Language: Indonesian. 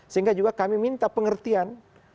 sehingga juga kami minta pengertian